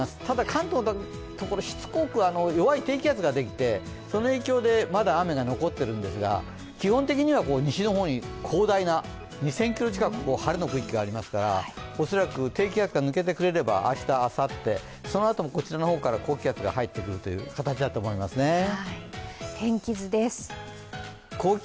ただ、関東の所、しつこく弱い低気圧ができてその影響でまだ雨が残っているんですが基本的には西の方に広大な２０００ｋｍ近い晴れの区域がありますから恐らく低気圧が抜けてくれれば明日、あさって、そのあともこちらの方から高気圧が入ってくる形だと思いますね。